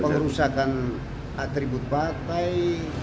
pengurusan atribut partai